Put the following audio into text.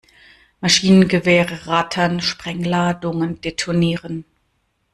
Maschinengewehre rattern, Sprengladungen detonieren.